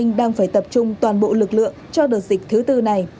tp hcm đang phải tập trung toàn bộ lực lượng cho đợt dịch thứ tư này